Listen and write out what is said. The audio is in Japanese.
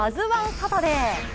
サタデー。